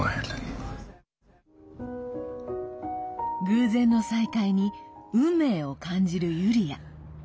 偶然の再会に運命を感じるユリア。